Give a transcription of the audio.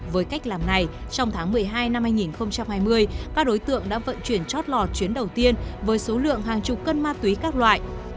với cách làm này trong tháng một mươi hai năm hai nghìn hai mươi các đối tượng đã vận chuyển chót lọt chuyến đầu tiên với số lượng hàng chục cân ma túy các loại